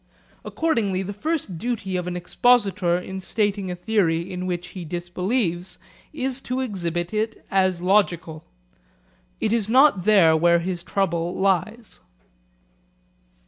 Accordingly the first duty of an expositor in stating a theory in which he disbelieves is to exhibit it as logical. It is not there where his trouble lies.